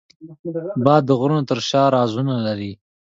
باد د غرونو تر شا رازونه لري